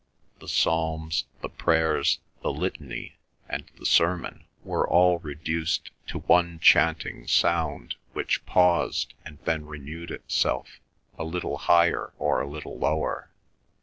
The psalms, the prayers, the Litany, and the sermon were all reduced to one chanting sound which paused, and then renewed itself, a little higher or a little lower.